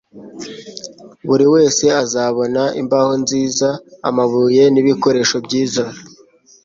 Buri wese azabona imbaho nziza, amabuye n'ibikoresho byiza